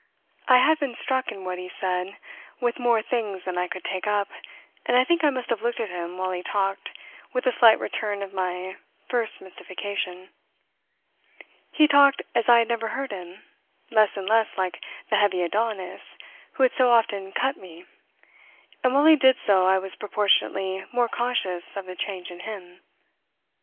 I had been struck in what he said with more things than I could take up, and I think I must have looked at him, while he talked, with a slight return of my first mystification. He talked as I had never heard him less and less like the heavy Adonis who had so often "cut" me; and while he did so I was proportionately more conscious of the change in him.